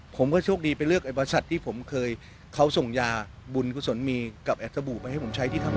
ผมก็โชคดีไปเลือกไอ้บริษัทที่ผมเคยเขาส่งยาบุญกุศลมีกับแอดสบู่ไปให้ผมใช้ที่ทำงาน